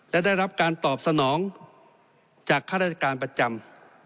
และได้รับการตอบสนองจากข้าราชการประจำ